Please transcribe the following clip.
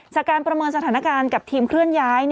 จากการประเมินสถานการณ์กับทีมเคลื่อนย้าย